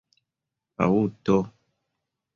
aŭto